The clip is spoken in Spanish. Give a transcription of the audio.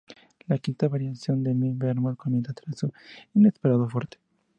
La quinta variación, en "mi" bemol, comienza tras a un inesperado "forte".